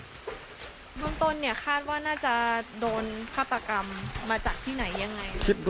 เบื้องต้นเนี่ยคาดว่าน่าจะโดนฆาตกรรมมาจากที่ไหนยังไง